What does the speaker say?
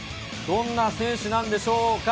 どんな選手なんでしょうか。